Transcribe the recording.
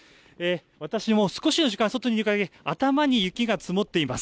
私も少しの時間、外にいると頭に雪が積もっています。